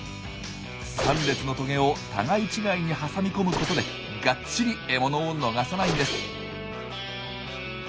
３列のトゲを互い違いに挟み込むことでがっちり獲物を逃さないんです。